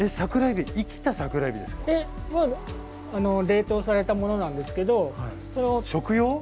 冷凍されたものなんですけど。